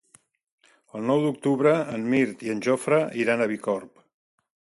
El nou d'octubre en Mirt i en Jofre iran a Bicorb.